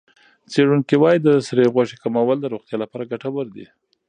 څېړونکي وايي د سرې غوښې کمول د روغتیا لپاره ګټور دي.